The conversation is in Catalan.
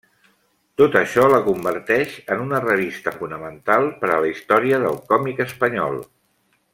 Tot això la converteix en una revista fonamental per a la història del còmic espanyol.